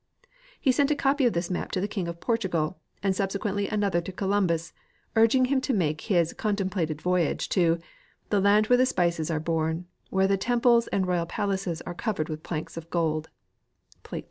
He sent a copy of this map to the king of Portugal, and subsequently another to Columbus, urging him to make his contemiDlated voy age to '■ The land Avhere the spices are born, where the temples and royal palaces are covered with planks of gold " (plate 3*).